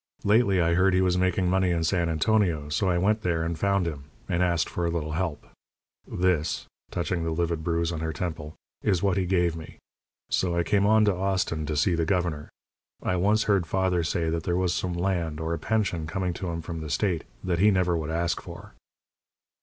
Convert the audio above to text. Lately, I heard he was making money in San Antonio, so I went there, and found him, and asked for a little help. This," touching the livid bruise on her temple, "is what he gave me. So I came on to Austin to see the governor. I once heard father say that there was some land, or a pension, coming to him from the state that he never would ask for."